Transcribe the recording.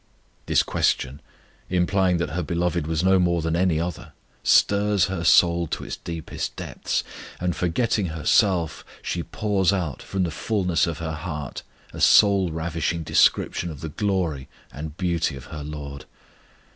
This question, implying that her Beloved was no more than any other, stirs her soul to its deepest depths; and, forgetting herself, she pours out from the fulness of her heart a soul ravishing description of the glory and beauty of her LORD.